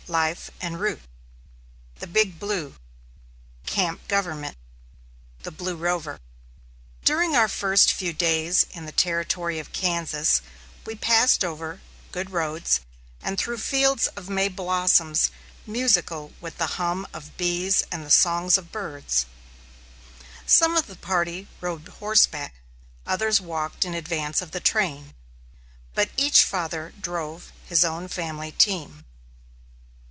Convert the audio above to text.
LIFE en route THE BIG BLUE CAMP GOVERNMENT THE Blue Rover. During our first few days in the Territory of Kansas we passed over good roads, and through fields of May blossoms musical with the hum of bees and the songs of birds. Some of the party rode horseback; others walked in advance of the train; but each father drove his own family team.